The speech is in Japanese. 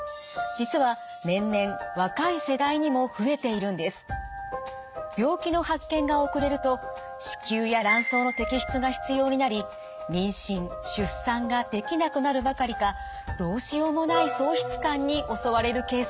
実は年々病気の発見が遅れると子宮や卵巣の摘出が必要になり妊娠・出産ができなくなるばかりかどうしようもない喪失感に襲われるケースも。